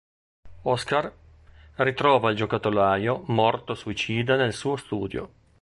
Oskar ritrova il giocattolaio morto suicida nel suo studio.